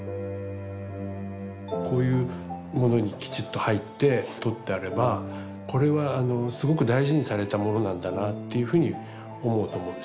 こういうものにきちっと入って取ってあればこれはすごく大事にされたものなんだなっていうふうに思うと思うんですよね。